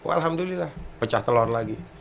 alhamdulillah pecah telor lagi